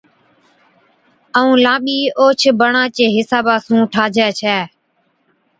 ائُون لانٻِي اوھچ باڻا چي حصابا سُون ٺاهجَي ڇَي